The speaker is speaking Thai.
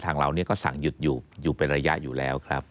เราก็สั่งหยุดอยู่เป็นระยะอยู่แล้วครับ